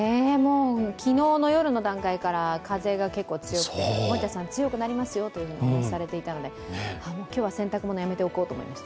昨日の夜の段階から風が結構強くて、森田さん強くなりますよというふうにお話しされていたので今日は洗濯物、やめておこうと思いました。